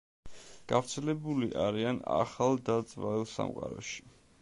გავრცელებული არიან ახალ და ძველ სამყაროში.